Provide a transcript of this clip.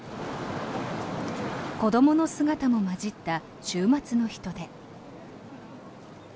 子どもの姿も交じった週末の人出。